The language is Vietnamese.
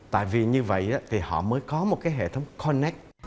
tại vì như vậy thì họ mới có một cái hệ thống connect